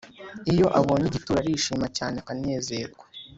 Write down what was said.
iyo abonye igituro arishima cyane akanezerwa